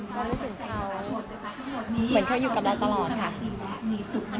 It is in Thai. ไม่ขรมทางเดียวครับทำอยู่้อนจงทนนั้น